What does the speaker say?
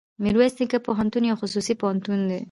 ميرويس نيکه پوهنتون يو خصوصي پوهنتون دی.